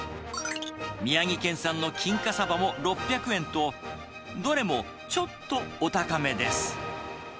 宮城県産の金華さばも６００円と、どれもちょっとお高めです。